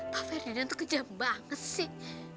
papa ferdinand tuh kejam banget sih